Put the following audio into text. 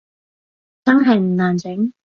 真係唔難整？